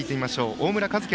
大村和輝